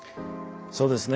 そうですね。